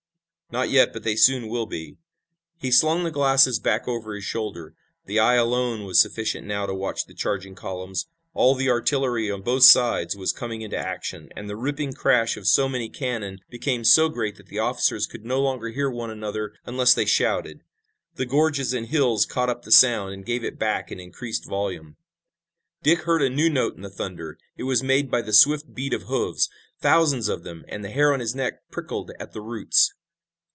"Not yet, but they soon will be." He slung the glasses back over his shoulder. The eye alone was sufficient now to watch the charging columns. All the artillery on both sides was coming into action, and the ripping crash of so many cannon became so great that the officers could no longer hear one another unless they shouted. The gorges and hills caught up the sound and gave it back in increased volume. Dick heard a new note in the thunder. It was made by the swift beat of hoofs, thousands of them, and the hair on his neck prickled at the roots.